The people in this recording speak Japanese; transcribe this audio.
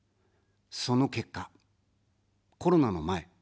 その結果、コロナの前。